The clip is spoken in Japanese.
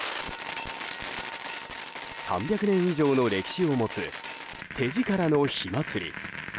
３００年以上の歴史を持つ手力の火祭。